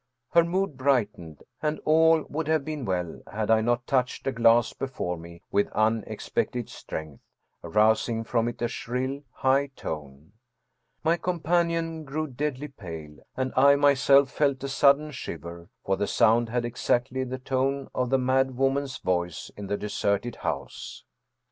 Her mood brightened, and all would have been well had I not touched a glass before me with unexpected strength, arousing from it a shrill, high tone. My companion grew deadly pale, and I myself felt a sudden shiver, for the sound had exactly the tone of the mad woman's voice in the deserted house.